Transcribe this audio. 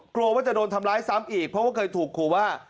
กลัวว่าจะโดนทำร้ายซ้ำอีกเพราะว่าเคยถูกขู่ว่า